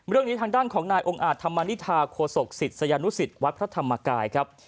เรื่องนี้ทางด้านของนายองค์อาจธรรมนิษฐาโคศกศิษยานุสิตวัดพระธรรมกายครับ